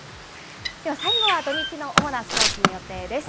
では最後は土日の主なスポーツの予定です。